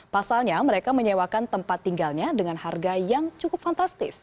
pasalnya mereka menyewakan tempat tinggalnya dengan harga yang cukup fantastis